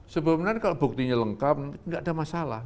sebenarnya kalau buktinya lengkap nggak ada masalah